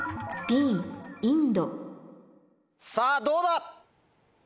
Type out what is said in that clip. さぁどうだ？